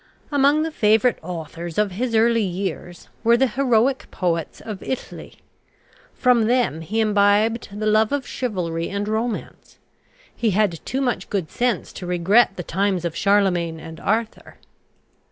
Among the favourite authors of his early years were the heroic poets of Italy. From them he imbibed the love of chivalry and romance. He had too much good sense to regret the times of Charlemagne and Arthur.